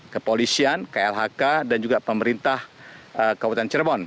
kepolisian klhk dan juga pemerintah kabupaten cirebon